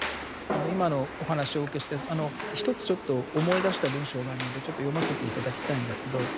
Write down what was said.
あの今のお話をお受けして一つちょっと思い出した文章があるのでちょっと読ませて頂きたいんですけど。